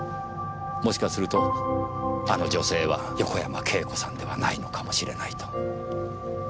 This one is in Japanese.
もしかするとあの女性は横山慶子さんではないのかもしれないと。